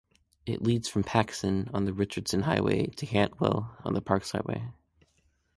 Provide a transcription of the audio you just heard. It leads from Paxson on the Richardson Highway to Cantwell on the Parks Highway.